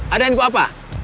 ada yang buat apa